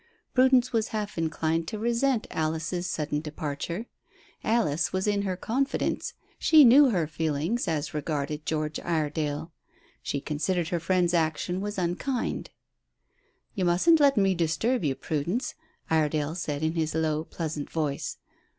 Prudence was half inclined to resent Alice's sudden departure. Alice was in her confidence; she knew her feelings as regarded George Iredale. She considered her friend's action was unkind. "You mustn't let me disturb you, Prudence," Iredale said in his low, pleasant voice.